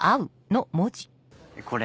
これ。